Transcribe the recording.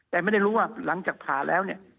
แต่ไม่ได้รู้ว่าหลังจากผ่าแล้วเนี่ย